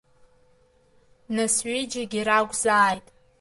Нас ҩыџьегьы ракәзааит.